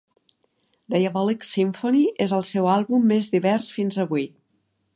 "Diabolic Symphony" és el seu àlbum més divers fins avui.